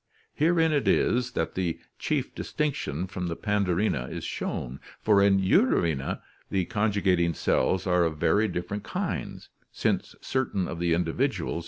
Herein it is that the chief distinction from Pandorina is shown, for in Eudorina the conjugating cells are of very different kinds, since certain of the individuals in Fig.